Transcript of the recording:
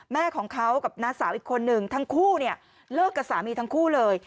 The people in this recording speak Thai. แม่ของเขากับน้าสาวอีกคนนึงทั้งคู่เนี่ยเลิกกับสามีทั้งคู่เลย